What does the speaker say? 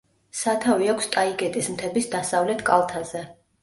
სათავე აქვს ტაიგეტის მთების დასავლეთ კალთაზე.